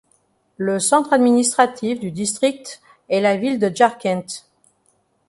Le centre administratif du district est la ville de Jarkent.